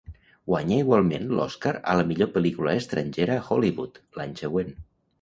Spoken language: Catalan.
Guanya igualment l'Oscar a la millor pel·lícula estrangera a Hollywood, l'any següent.